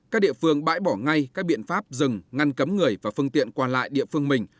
các địa phương bãi bỏ ngay các biện pháp dừng ngăn cấm người và phương tiện qua lại địa phương mình